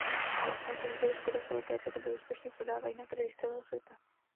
Automobily Škoda se od této doby úspěšně prodávají na trzích celého světa.